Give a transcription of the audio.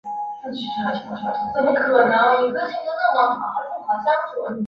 萧恩舞团及舞蹈学校等。